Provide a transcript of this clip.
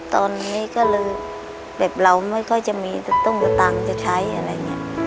ตอนนี้ก็เลยแบบเราไม่ค่อยจะมีต้องมีตังค์จะใช้อะไรอย่างนี้